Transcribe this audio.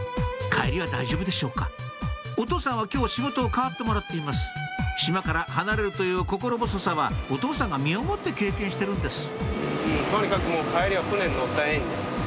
帰りは大丈夫でしょうかお父さんは今日仕事を代わってもらっています島から離れるという心細さはお父さんが身をもって経験してるんです